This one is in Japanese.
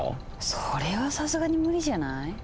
それはさすがに無理じゃない？